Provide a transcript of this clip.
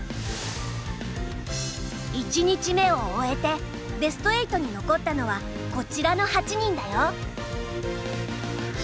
１日目を終えてベスト８に残ったのはこちらの８人だよ。